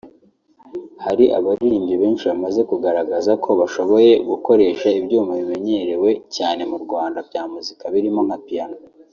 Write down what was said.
Hari abaririmbyi benshi bamaze kugaragaza ko bashoboye gukoresha ibyuma bimenyerewe cyane mu Rwanda bya muzika birimo nka Piano